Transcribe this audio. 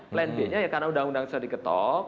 plan b nya ya karena undang undang sudah diketok